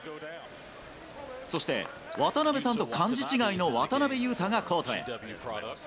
そして渡辺さんと漢字違いの渡邊雄太がコートへ。